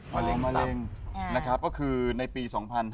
วัลเบิร์งมะเร็งนะคะก็คือในปี๒๕๔๓